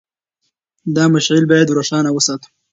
دا مشعل باید روښانه وساتو.